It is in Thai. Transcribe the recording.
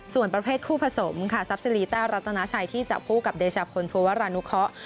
ส่วนประเภทคู่ผสมซับซีลีต้ารัตนาชัยที่เจ้าผู้กับเดชาโฟนภัวรานุเคาะ